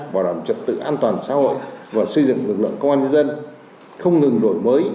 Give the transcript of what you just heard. bảo đảm trật tự an toàn xã hội và xây dựng lực lượng công an nhân dân không ngừng đổi mới